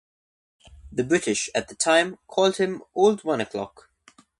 The British at the time called him "old one o'clock".